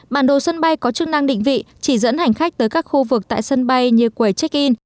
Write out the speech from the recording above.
bản đồ sân bay có chức năng định vị chỉ dẫn hành khách tới các khu vực tại sân bay như quầy check in